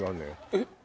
えっ？